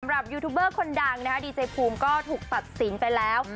ยูทูบเบอร์คนดังนะคะดีเจภูมิก็ถูกตัดสินไปแล้ว